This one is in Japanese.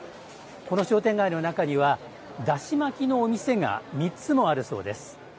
この商店街の中にはだし巻きのお店が３つもあるそうです。